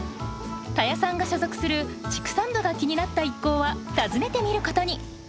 田谷さんが所属する畜産部が気になった一行は訪ねてみることに。